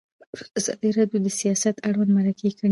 ازادي راډیو د سیاست اړوند مرکې کړي.